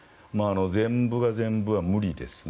全部が全部は無理ですね。